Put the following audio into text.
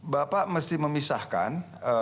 bapak mesti memisahkan